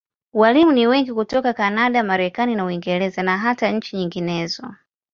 Walimu ni wengi hutoka Kanada, Marekani na Uingereza, na hata nchi nyinginezo.